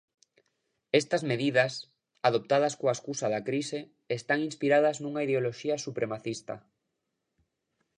Estas medidas, adoptadas coa escusa da crise, están inspiradas nunha ideoloxía supremacista.